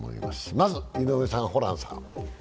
まず、井上さん、ホランさん。